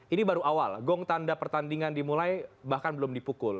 ini baru awal gong tanda pertandingan dimulai bahkan belum dipukul